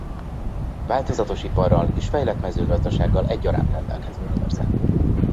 Változatos iparral és fejlett mezőgazdasággal egyaránt rendelkező körzet.